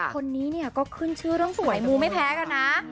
คนนี้เนี่ยก็ขึ้นชื่อเรื่องสวยมูไม่แพ้กันนะ